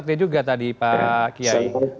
pak kiai juga tadi pak kiai